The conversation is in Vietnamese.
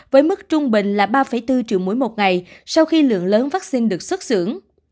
với mức trung bình là ba bốn triệu mũi một ngày sau khi lượng lớn vaccine được xuất xưởng